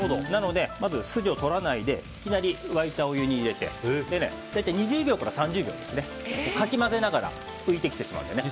なので、まずは筋を取らないでいきなり沸いたお湯に入れて２０秒から３０秒かき混ぜながら浮いてきてしまうので。